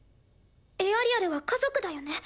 エアリアルは家族だよね？